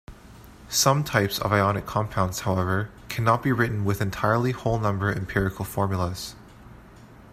Some types of ionic compounds, however, cannot be written with entirely whole-number empirical formulas.